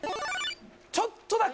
ちょっとだけ。